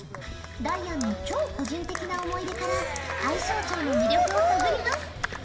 ダイアンの超個人的な思い出から愛荘町の魅力を探ります！